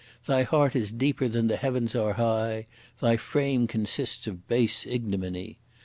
Thy heart is deeper than the heavens are high, Thy frame consists of base ignominy!